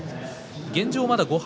現状、まだ５敗